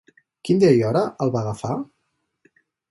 Quin dia i hora el va agafar?